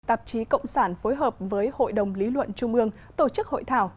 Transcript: tạp chí cộng sản phối hợp với hội đồng lý luận trung ương tổ chức hội thảo